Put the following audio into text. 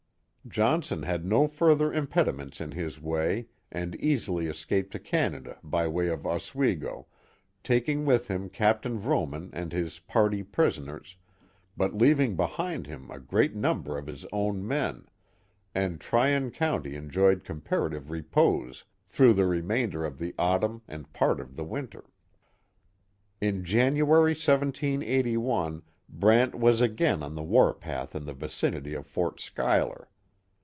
Johnson had no further im pediments in his way and easily escaped to Canada by way of Oswego, taking with him Captain Vrooman and his party prisoners, but leaving behind him a great number of his own men, and Tryon county enjoyed comparative repose through the remainder of the autumn and part of the winter. In January, 1781, Brant was again on the war path in the vicinity of Fort Schuyler.